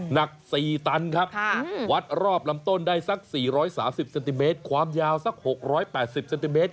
หนัก๔ตันครับวัดรอบลำต้นได้สัก๔๓๐เซนติเมตรความยาวสัก๖๘๐เซนติเมตร